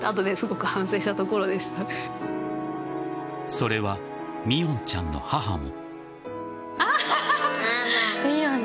それは、みおんちゃんの母も。